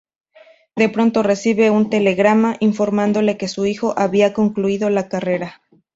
De pronto recibe un telegrama informándole que su hijo había concluido la carrera.